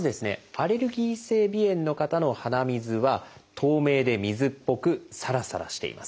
アレルギー性鼻炎の方の鼻水は透明で水っぽくサラサラしています。